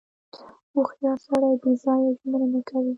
• هوښیار سړی بې ځایه ژمنه نه کوي.